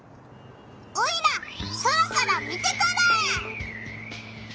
オイラ空から見てくる！